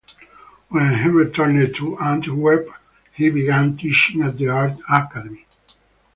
When he returned to Antwerp, he began teaching at the art academy.